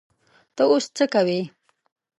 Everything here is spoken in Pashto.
ته اوس څه کوې؟